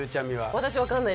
私分かんないです。